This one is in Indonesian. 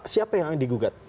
siapa yang digugat